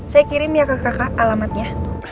saya kirim ya ke kakak alamatnya